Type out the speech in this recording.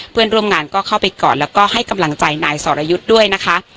เพื่อนร่วมงานก็เข้าไปกอดแล้วก็ให้กำลังใจนายสรยุทธ์ด้วยนะคะ